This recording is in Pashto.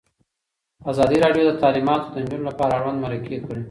ازادي راډیو د تعلیمات د نجونو لپاره اړوند مرکې کړي.